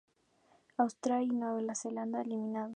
Australia y Nueva Zelanda eliminados.